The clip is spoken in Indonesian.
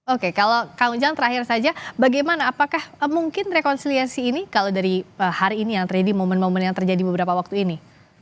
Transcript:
oke kalau kang ujang terakhir saja bagaimana apakah mungkin rekonsiliasi ini kalau dari hari ini yang terjadi momen momen yang terjadi beberapa waktu ini